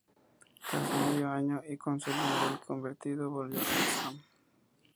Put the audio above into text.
Tras medio año y con sólo un gol convertido, volvió a West Ham.